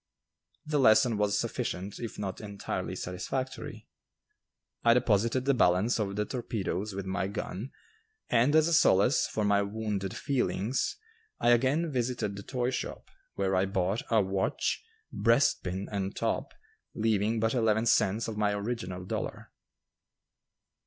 The lesson was sufficient if not entirely satisfactory. I deposited the balance of the torpedoes with my gun, and as a solace for my wounded feelings I again visited the toy shop, where I bought a watch, breastpin and top, leaving but eleven cents of my original dollar.